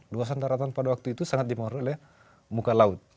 luasan daratan pada waktu itu sangat dipengaruhi oleh muka laut